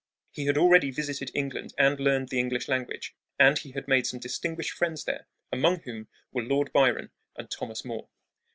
He had already visited England and learned the English language, and he had made some distinguished friends there, among whom were Lord Byron and Thomas Moore.